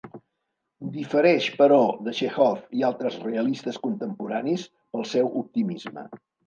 Difereix, però, de Txékhov i altres realistes contemporanis pel seu optimisme.